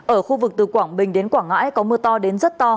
ở khu vực từ quảng bình đến quảng ngãi có mưa to đến rất to